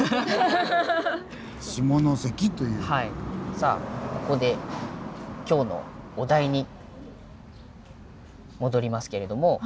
さあここで今日のお題に戻りますけれども。